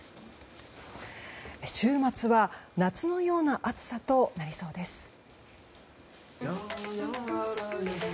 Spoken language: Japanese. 週末は夏のような暑さとなりそうです。